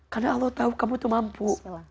karena allah tahu kamu itu mampu